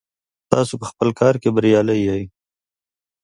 تاسو په خپل کار کې بریالي یئ.